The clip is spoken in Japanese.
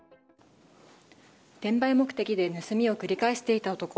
転売目的で盗みを繰り返していた男。